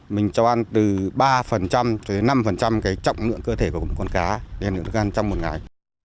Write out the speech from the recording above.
mình cho ăn từ ba tới năm cái trọng lượng cơ thể của con cá để được ăn trong một ngày